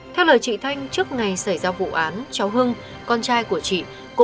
theo lời chị thanh trước ngày xảy ra vụ án cháu hưng con trai của chị